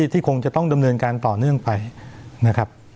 ที่คงจะต้องดำเนินการต่อเนื่องไปนะครับ